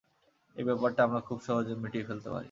এই ব্যাপারটা আমরা খুব সহজে মিটিয়ে ফেলতে পারি।